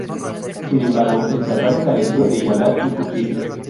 Sin embargo, el tratado careció de igualdad y justicia.